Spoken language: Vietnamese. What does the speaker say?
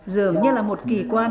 dường như là một kỳ quan